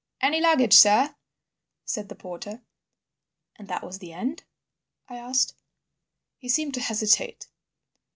"Any luggage, sir?" said the porter. "And that was the end?" I asked. He seemed to hesitate.